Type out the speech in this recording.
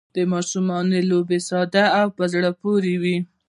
د ماشومانو لوبې ساده او په زړه پورې وي.